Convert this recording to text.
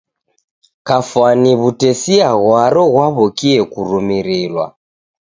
Kafwani w'utesia ghwaro ghwaw'okie kurumirilwa.